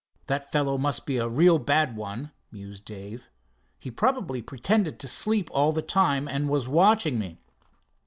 "That fellow must be a real bad one," mused Dave. "He probably pretended to be asleep all the time, and was watching me!